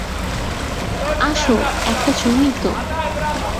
আসো একটা চুমুই তো।